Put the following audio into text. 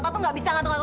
ikan lainnya akan kembali